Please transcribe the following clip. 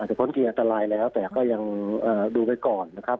พ้นขีอันตรายแล้วแต่ก็ยังดูไปก่อนนะครับ